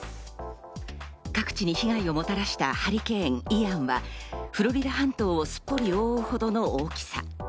各地に被害をもたらしたハリケーン・イアンは、フロリダ半島をすっぽり覆うほどの大きさ。